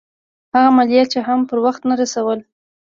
هغه مالیات یې هم پر وخت نه رسول.